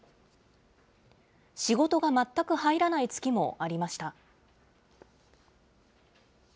仕事が全く入らない月もありました。